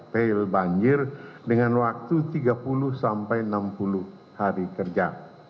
tail banjir dengan waktu tiga puluh sampai enam puluh hari kerja